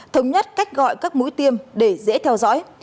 thống nhất cách gọi các mũi tiêm để dễ theo dõi